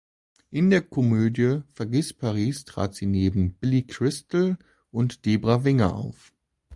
In der Komödie Vergiß Paris trat sie neben Billy Crystal und Debra Winger auf.